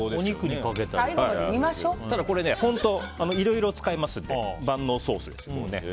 ただこれ本当いろいろ使えますので万能ソースです。